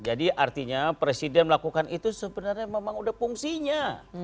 jadi artinya presiden melakukan itu sebenarnya memang udah fungsinya